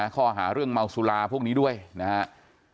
ข้อหาเรื่องเมาสุราพวกนี้ด้วยนะครับ